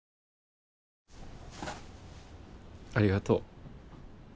ありがとう。